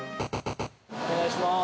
◆お願いします。